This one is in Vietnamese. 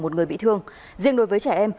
một người bị thương riêng đối với trẻ em